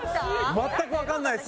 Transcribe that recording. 全く分かんないっす